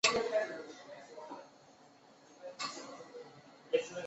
罕见遗传疾病一点通